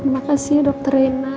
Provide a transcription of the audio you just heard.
makasih ya dokter rena